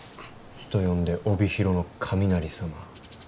人呼んで帯広の雷様。